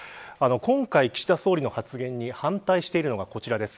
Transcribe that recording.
今回、岸田総理の発言に反対しているのがこちらです。